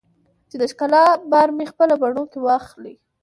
چې د ښکلا بار مې خپلو بڼو کې واخلې